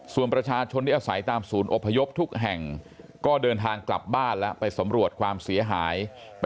ส่วนประชาชนที่อาศัยตามศูนย์อพยพทุกแห่งก็เดินทางกลับบ้านแล้วไปสำรวจความเสียหาย